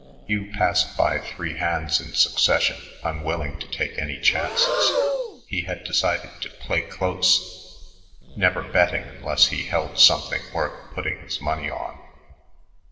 Hugh passed by three hands in succession, unwilling to take any chances. He had decided to "play close," never betting unless he held something worth putting his money on.